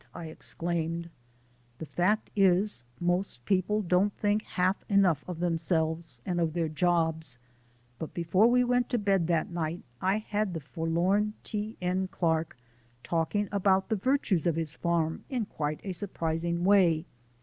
I exclaimed. The fact is, most people don't think half enough of themselves and of their jobs; but before we went to bed that night I had the forlorn T. N. Clark talking about the virtues of his farm in quite a surprising way.